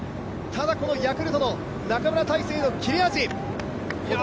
ただヤクルトの中村大聖の切れ味。